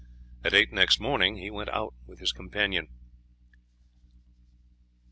At eight next morning he went out with his companion.